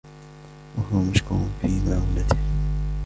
وَهُوَ مَشْكُورٌ فِي مَعُونَتِهِ